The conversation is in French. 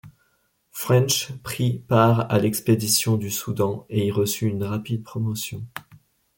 French prit part à l'expédition du Soudan et y reçut une rapide promotion.